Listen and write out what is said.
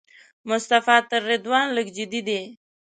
مصطفی تر رضوان لږ جدي دی.